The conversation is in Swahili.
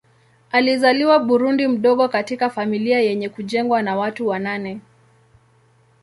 Alizaliwa Burundi mdogo katika familia yenye kujengwa na watu wa nane.